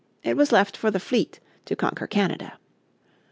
It was left for the fleet to conquer Canada.